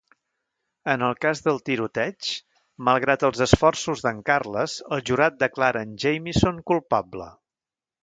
En el cas del tiroteig, malgrat els esforços d'en Carles, el jurat declara en Jamison culpable.